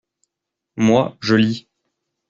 Moi, je lis.